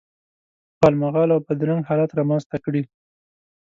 غالمغال او بد رنګ حالت رامنځته کړي.